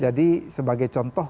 jadi sebagai contoh